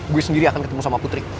gue sendiri akan ketemu sama putri